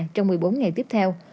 trong một mươi bốn ngày tiếp theo